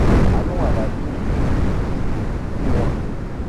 Allons à la vigne, dit Fouan.